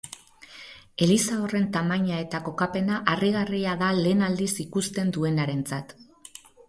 Eliza horren tamaina eta kokapena harrigarria da lehen aldiz ikusten duenarentzat.